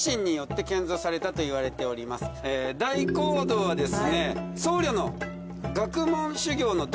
大講堂はですね。